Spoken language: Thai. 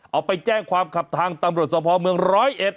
เอาไปแจ้งความขับทางตำรวจสภเมืองร้อยเอ็ด